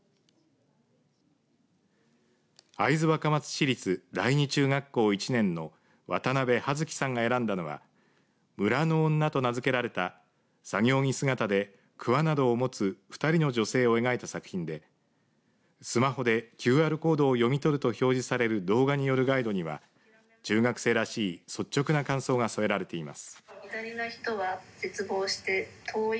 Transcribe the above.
会津若松市立第二中学校１年の渡邊初葵さんが選んだのは村の女と名付けられた作業着姿でくわなどを持つ２人の女性を描いた作品でスマホでＱＲコードを読み取ると表示される動画によるガイドには中学生らしい率直な感想が添えられています。